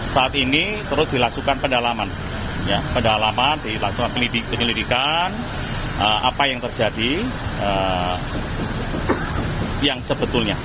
saat ini terus dilakukan pendalaman dilakukan penyelidikan apa yang terjadi yang sebetulnya